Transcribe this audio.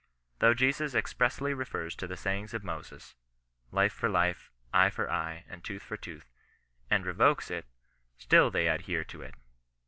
Though Jesus expressly refers to the saying of Moses —" life for life, eye for eye, and tooth for tooth" — and revokes it, still they adhere to it.